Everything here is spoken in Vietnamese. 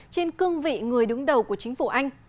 trên cương vị người đứng đầu của chính phủ anh